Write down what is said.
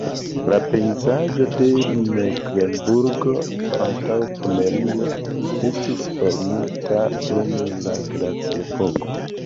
La pejzaĝo de Meklenburgo-Antaŭpomerio estis formita dum la glaciepoko.